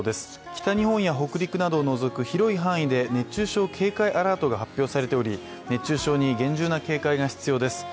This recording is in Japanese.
北日本や北陸などを除く、広い範囲で熱中症警戒アラートが発表されており熱中症に厳重な警戒が必要です。